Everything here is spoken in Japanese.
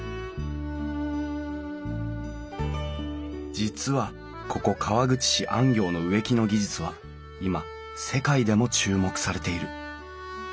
実はここ川口市安行の植木の技術は今世界でも注目されている。